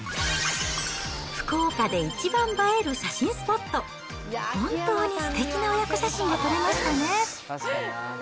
福岡で一番映える写真スポット、本当にすてきな親子写真が撮れましたね。